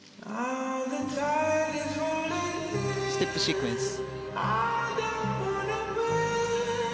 ステップシークエンス。